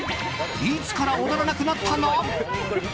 いつから踊らなくなったの？